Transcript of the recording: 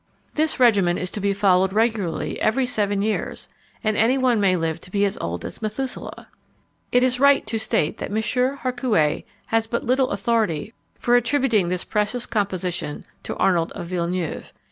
This regimen is to be followed regularly every seven years, and any one may live to be as old as Methuselah! It is right to state that M. Harcouet has but little authority for attributing this precious composition to Arnold of Villeneuve.